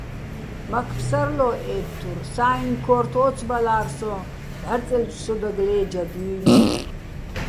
მაქ ფსარლო́ ე́თთურ, საიჼ ქო́რთო̆ ო́ცბალარ სოჼ ბჵარწელჩვ სოდა გლე́ჯადჲუჲნი̆.